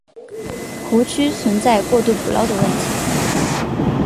湖区存在过度捕捞的问题。